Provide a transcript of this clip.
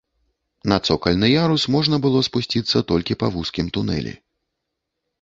На цокальны ярус можна было спусціцца толькі па вузкім тунэлі.